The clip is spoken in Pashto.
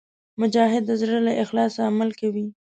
مجاهد د زړه له اخلاصه عمل کوي.